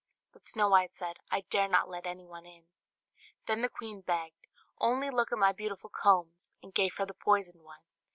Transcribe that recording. but Snow White said, "I dare not let anyone in." Then the queen begged, "Only look at my beautiful combs;" and gave her the poisoned one.